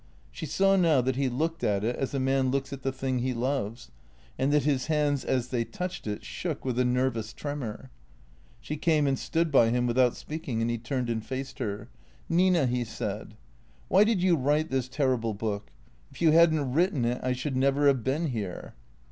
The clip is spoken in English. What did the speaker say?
She saw now that he looked at it as a man looks at the thing he loves, and that his hands as they touched it shook with a nervous tremor. She came and stood by him, without speaking, and he turned and faced her. " Nina," he said, " why did you write this terrible book ? If you had n't written it, I should never have been here."